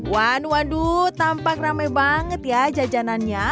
wan waduh tampak rame banget ya jajanannya